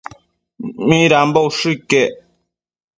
Midambo ushë iquec